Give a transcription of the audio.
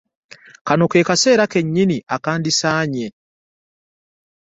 Kano ke kaseera kennyini akandisaanye.